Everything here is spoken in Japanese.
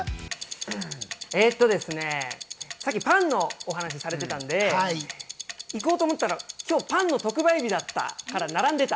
さっきパンのお話をされていたんで、行こうと思ったら今日、パンの特売日だったから並んでた。